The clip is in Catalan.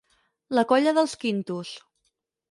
La colla dels quintos.